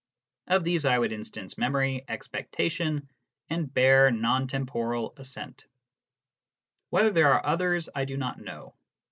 Of these I would instance memory, expectation, and bare non temporal assent. Whether there are others, I do not know.